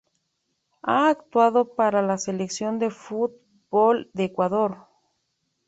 Ha actuado para la selección de fútbol de Ecuador.